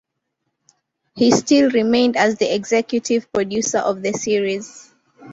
He still remained as the executive producer of the series.